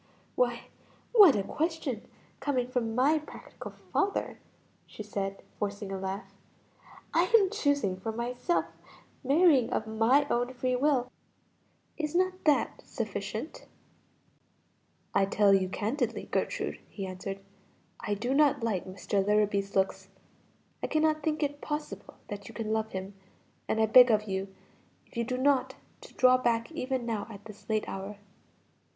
"Why what a question coming from my practical father!" she said, forcing a laugh. "I am choosing for myself, marrying of my own free will; is not that sufficient?" "I tell you candidly, Gertrude," he answered, "I do not like Mr. Larrabee's looks. I cannot think it possible that you can love him, and I beg of you if you do not, to draw back even now at this late hour."